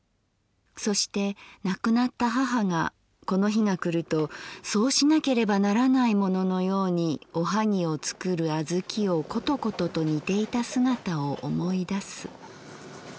そして亡くなった母がこの日が来るとそうしなければならないもののように『おはぎ』をつくる小豆をコトコトと煮ていた姿をおもい出す。